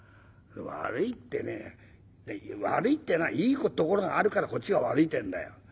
「悪いってね悪いっていうのはいいところがあるからこっちが悪いってえんだよ。